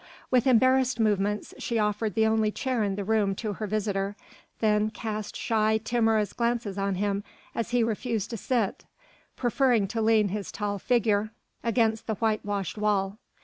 With embarrassed movements she offered the only chair in the room to her visitor, then cast shy, timorous glances on him as he refused to sit, preferring to lean his tall figure against the white washed wall.